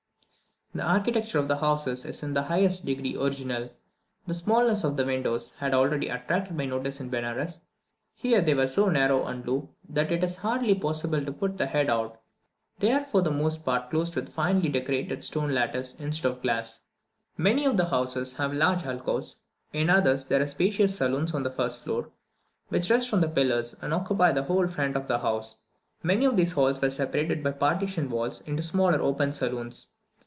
The architecture of the houses is in the highest degree original. The smallness of the windows had already attracted my notice in Benares, here they are so narrow and low that it is hardly possible to put the head out; they are for the most part closed with finely worked stone lattice, instead of glass. Many of the houses have large alcoves; in others there are spacious saloons on the first floor, which rest on pillars and occupy the whole front of the house; many of these halls were separated by partition walls into smaller open saloons.